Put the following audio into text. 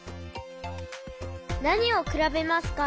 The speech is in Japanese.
なにをくらべますか？